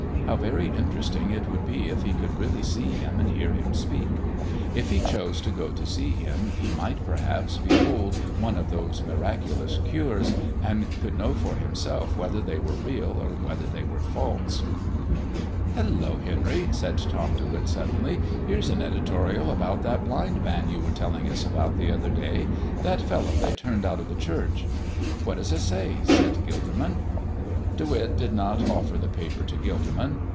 How very interesting it would be if he could really see Him and hear Him speak. If he chose to go to see Him he might perhaps behold one of those miraculous cures, and could know for himself whether they were real or whether they were false. "Hullo, Henry!" said Tom De Witt, suddenly. "Here's an editorial about that blind man you were telling us about the other day that fellow they turned out of the Church." "What does it say?" said Gilderman. De Witt did not offer the paper to Gilderman.